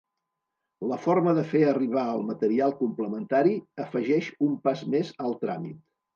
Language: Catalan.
La forma de fer arribar el material complementari afegeix un pas més al tràmit.